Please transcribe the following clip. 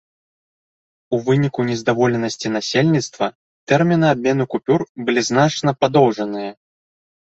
У выніку незадаволенасці насельніцтва тэрміны абмену купюр былі значна падоўжаныя.